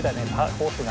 ホースが。